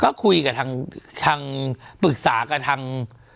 ก็คุยกับทางปรึกษากับทาง